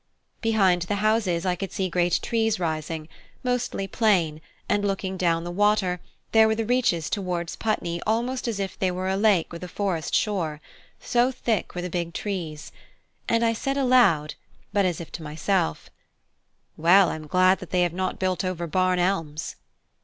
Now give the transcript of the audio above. Behind the houses, I could see great trees rising, mostly planes, and looking down the water there were the reaches towards Putney almost as if they were a lake with a forest shore, so thick were the big trees; and I said aloud, but as if to myself "Well, I'm glad that they have not built over Barn Elms."